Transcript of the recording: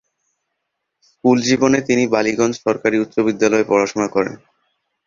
School জীবনে তিনি বালিগঞ্জ সরকারি উচ্চ বিদ্যালয়ে পড়াশুনা করেন।